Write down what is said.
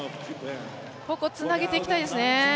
ここ、つなげていきたいですね。